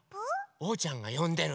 おうちゃんがよんでる。